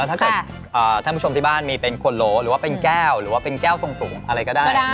ถ้าเกิดท่านผู้ชมที่บ้านมีเป็นขวดโหลหรือว่าเป็นแก้วหรือว่าเป็นแก้วสูงอะไรก็ได้